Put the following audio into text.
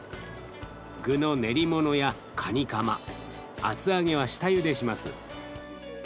具の練りものやカニカマ厚揚げは下ゆでします。